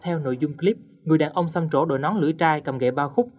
theo nội dung clip người đàn ông xâm trổ đổi nón lưỡi trai cầm ghệ bao khúc